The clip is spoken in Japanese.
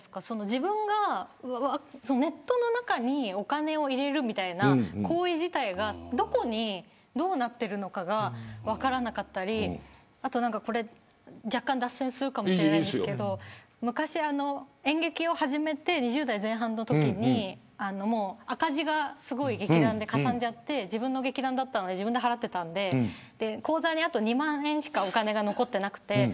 自分がネットの中にお金を入れるみたいな行為自体がどこに、どうなっているのかが分からなかったり若干脱線するかもしれませんが昔、演劇を始めて２０代前半のときに赤字が劇団で、かさんじゃって自分の劇団だったので自分で払っていたので口座にあと２万円しか残っていなくて。